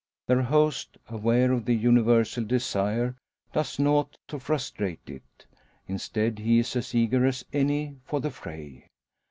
Their host, aware of the universal desire, does nought to frustrate it. Instead, he is as eager as any for the fray.